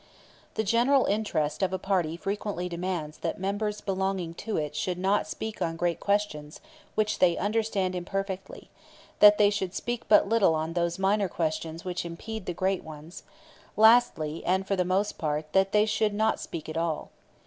The general interest of a party frequently demands that members belonging to it should not speak on great questions which they understand imperfectly; that they should speak but little on those minor questions which impede the great ones; lastly, and for the most part, that they should not speak at all.